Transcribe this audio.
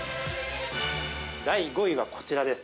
第５位はこちらです。